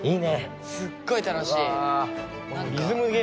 すっごい楽しい。